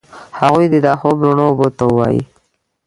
هغوی دي دا خوب روڼو اوبو ته ووایي